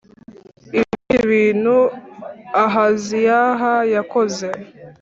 Ibindi bintu Ahaziyah yakoze